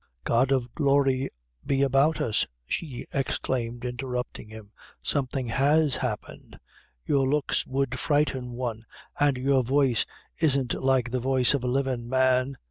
"God of glory be about us!" she exclaimed, interrupting him; "something has happened! Your looks would frighten one, an' your voice isn't like the voice of a livin' man.